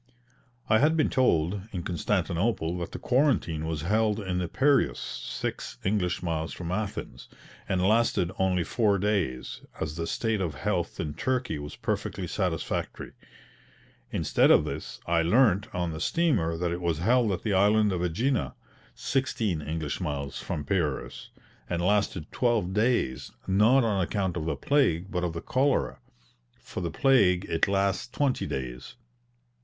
I had been told, in Constantinople, that the quarantine was held in the Piraeus (six English miles from Athens), and lasted only four days, as the state of health in Turkey was perfectly satisfactory. Instead of this, I learnt on the steamer that it was held at the island of AEgina (sixteen English miles from Piraeus), and lasted twelve days, not on account of the plague but of the cholera. For the plague it lasts twenty days.